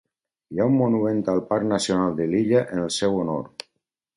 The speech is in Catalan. Hi ha un monument al parc nacional de l'illa en el seu honor.